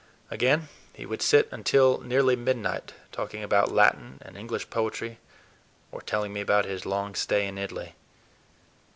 Again, he would sit until nearly midnight, talking about Latin and English poetry, or telling me about his long stay in Italy.